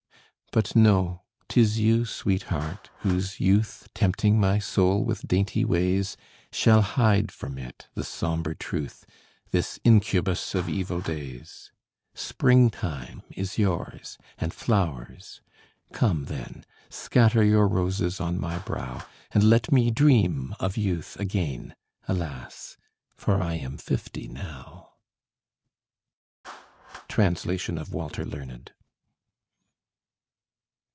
But no, 'tis you, sweetheart, whose youth, Tempting my soul with dainty ways, Shall hide from it the sombre truth, This incubus of evil days. Springtime is yours, and flowers; come then, Scatter your roses on my brow, And let me dream of youth again Alas, for I am fifty now! Translation of Walter Learned.